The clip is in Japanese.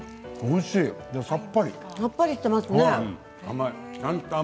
さっぱりしてますね。